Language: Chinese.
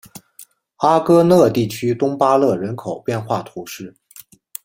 阿戈讷地区东巴勒人口变化图示